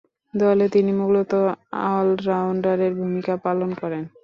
দলে তিনি মূলতঃ অল-রাউন্ডারের ভূমিকা পালন করেন।